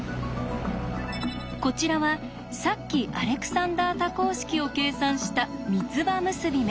こちらはさっきアレクサンダー多項式を計算した三つ葉結び目。